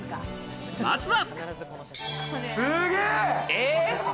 まずは。